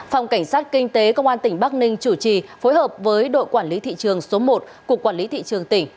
phòng cảnh sát kinh tế công an tỉnh bắc ninh chủ trì phối hợp với đội quản lý thị trường số một của quản lý thị trường tỉnh